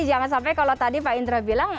jangan sampai kalau tadi pak indra bilang